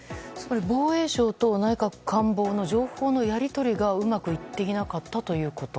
防衛省と内閣官房の情報のやり取りがうまくいっていなかったということ。